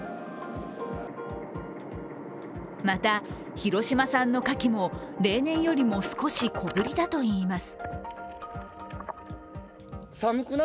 また、広島産のかきも例年よりも少し小ぶりだといいます。